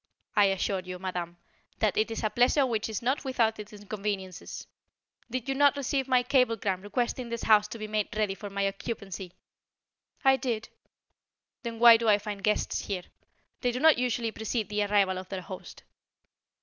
"I assure you, madame, that it is a pleasure which is not without its inconveniences. Did you not receive my cablegram requesting this house to be made ready for my occupancy?" "I did." "Then why do I find guests here? They do not usually precede the arrival of their host."